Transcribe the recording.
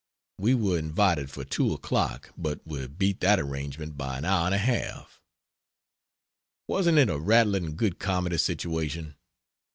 We were invited for 2 o'clock, but we beat that arrangement by an hour and a half. Wasn't it a rattling good comedy situation?